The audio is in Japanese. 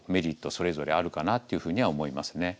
それぞれあるかなっていうふうには思いますね。